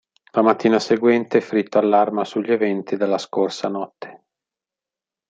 La mattina seguente, Fritto allarma sugli eventi della scorsa notte.